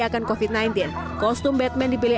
akan covid sembilan belas kostum batman dipilih